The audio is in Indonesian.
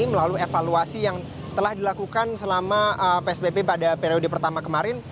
melalui evaluasi yang telah dilakukan selama psbb pada periode pertama kemarin